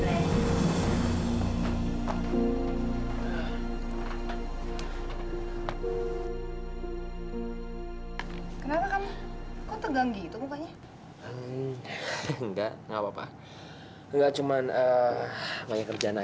hai kenapa kamu tegang gitu mukanya enggak enggak cuma banyak kerjaan aja